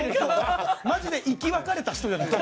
マジで生き別れた人。